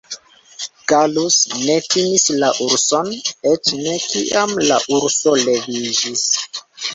Gallus ne timis la urson, eĉ ne, kiam la urso leviĝis.